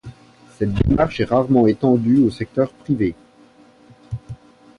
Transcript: Cette démarche est rarement étendue au secteur privé.